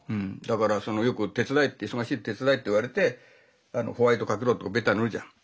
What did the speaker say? だからよく手伝えって「忙しい手伝え」って言われて「ホワイトかけろ」とかベタ塗るじゃん。